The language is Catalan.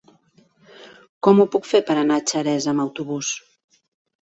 Com ho puc fer per anar a Xeresa amb autobús?